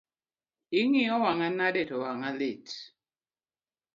Ing’iyo wang’a nade to wang'a lit?